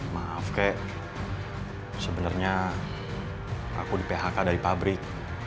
maaf kek sebenarnya aku di phk dari pabrik